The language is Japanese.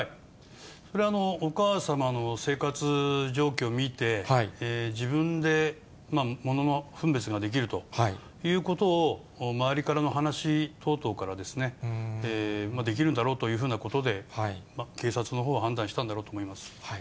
それはお母様の生活状況を見て、自分でものの分別ができるということを周りからの話等々からですね、できるんだろうというふうなことで、警察のほうは判断したんだろうと思います。